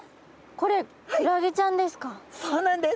これそうなんです。